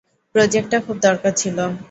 প্রোজেক্টটা খুব দরকার ছিল।